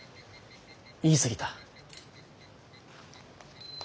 言い過ぎた。